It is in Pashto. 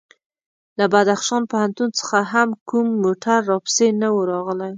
له بدخشان پوهنتون څخه هم کوم موټر راپسې نه و راغلی.